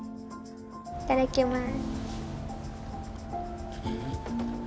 いただきます。